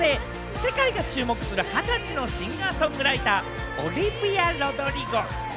世界が注目する二十歳のシンガー・ソングライター、オリヴィア・ロドリゴ。